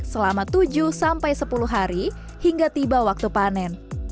selama tujuh sampai sepuluh hari hingga tiba waktu panen